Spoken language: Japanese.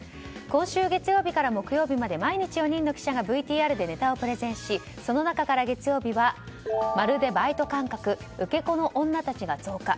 今週月曜日から木曜日まで毎日４人の記者がＶＴＲでネタをプレゼンしその中から月曜日はまるでバイト感覚受け子の女たちが増加。